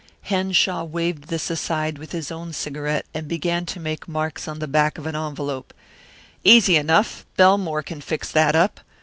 Henshaw waved this aside with his own cigarette and began to make marks on the back of an envelope. "Easy enough Belmore can fix that up.